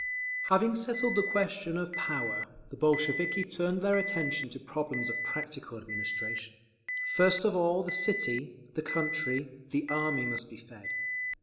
Having settled the question of power, the Bolsheviki turned their attention to problems of practical administration. First of all the city, the country, the Army must be fed.